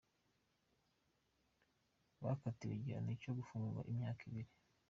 Bakatiwe igihano cyo gufungwa imyaka ibiri.